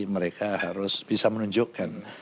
mereka harus bisa menunjukkan